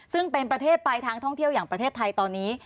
ซึ่งเป็นประเทศปลายทางท่องเที่ยวอย่างประเทศไทยตอนนี้